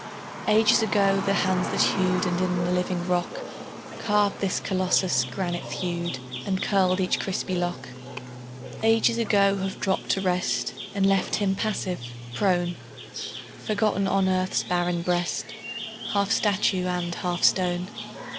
Ages ago the hands that hewed, And in the living rock Carved this Colossus, granite thewed And curled each crispy lock: Ages ago have dropped to rest And left him passive, prone, Forgotten on earth's barren breast, Half statue and half stone.